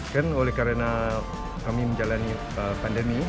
kan oleh karena kami menjalani pandemi